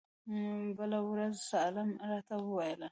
بله ورځ سالم راته وويل.